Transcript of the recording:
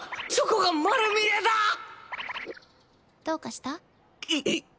どうかした？